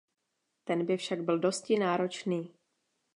Ten by však byl dosti náročný.